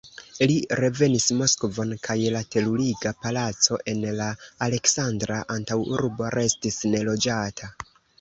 Li revenis Moskvon, kaj la teruriga palaco en la Aleksandra antaŭurbo restis neloĝata.